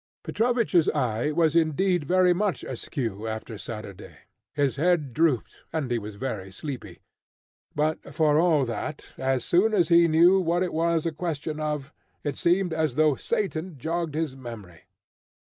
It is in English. Petrovich's eye was indeed very much askew after Saturday. His head drooped, and he was very sleepy; but for all that, as soon as he knew what it was a question of, it seemed as though Satan jogged his memory.